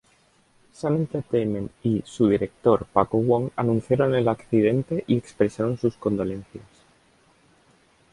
Sun Entertainment y, su director, Paco Wong, anunciaron el accidente y expresaron sus condolencias.